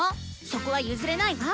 そこは譲れないわ。